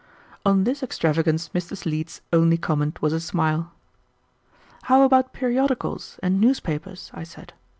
On this extravagance Mrs. Leete's only comment was a smile. "How about periodicals and newspapers?" I said.